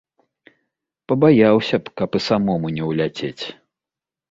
Пабаяўся б, каб і самому не ўляцець.